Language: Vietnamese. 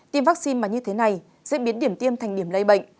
tiêm vaccine mà như thế này sẽ biến điểm tiêm thành điểm lây bệnh